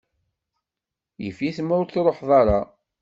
Yif-it ma ur truḥeḍ ara.